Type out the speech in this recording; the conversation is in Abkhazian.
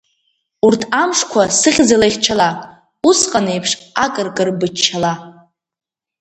Урҭ амшқәа сыхьӡала ихьчала, усҟанеиԥш акыркыр быччала.